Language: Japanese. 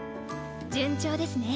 順調ですね。